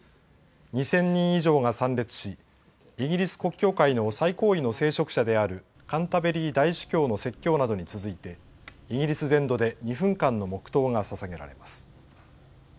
２０００人以上が参列しイギリス国教会の最高位の聖職者であるカンタベリー大主教の説教などに続いてイギリス全土で２分間の黙とうがささげられます。